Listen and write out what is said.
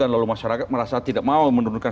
lalu masyarakat merasa tidak mau menurunkan